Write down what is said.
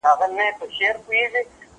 هغه وويل چي لوبي مهمي دي!